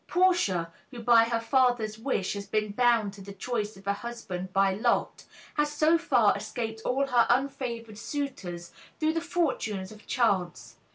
Portia, who by her father's wish has been bound to the choice of a husband by lot, has so far escaped all her unfavored suitors through the fortunes of chance.